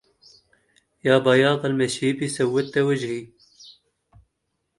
يا بياض المشيب سودت وجهي